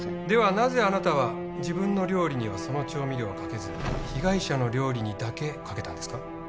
なぜあなたは自分の料理にはその調味料はかけず被害者の料理にだけかけたんですか？